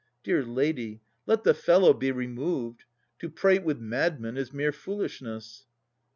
Dear lady, let the fellow be removed. To prate with madmen is mere foolishness.